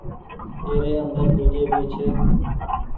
ايري اندر ۮوجھي ڀي ڇي۔